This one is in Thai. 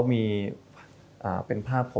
มีภาพผมกับเค้า